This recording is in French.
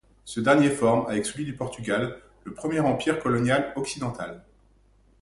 Ce dernier forme, avec celui du Portugal, le premier empire colonial occidental.